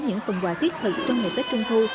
những phần quà thiết thực trong ngày tết trung thu